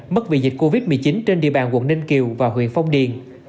mất vì dịch covid một mươi chín trên địa bàn quận ninh kiều và huyện phong điền